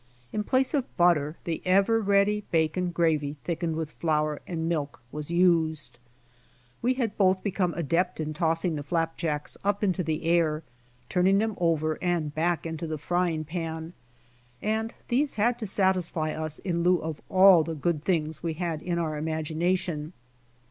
In place of butter the ever ready bacon gravy thickened with flour and milk was used. We had both become adept in tossing the flap jacks up into the air, turning them over and back into the frying pan, and these had to satisfy us in lieu of all the good things that we had in our imagination.